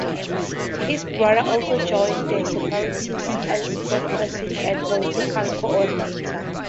His brother also joined the separatists as spokesperson and political coordinator.